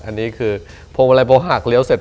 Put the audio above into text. อันนี้คือพวงมาลัยโบหักเลี้ยวเสร็จ